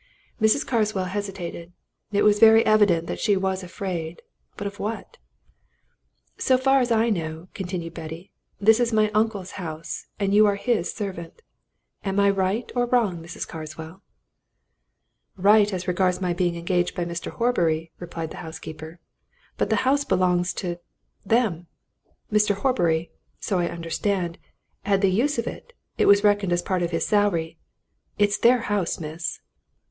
Mrs. Carswell hesitated. It was very evident that she was afraid. But of what? "So far as I know," continued Betty, "this is my uncle's house, and you're his servant. Am I right or wrong, Mrs. Carswell?" "Right as regards my being engaged by Mr. Horbury," replied the housekeeper. "But the house belongs to them! Mr. Horbury so I understand had the use of it it was reckoned as part of his salary. It's their house, miss."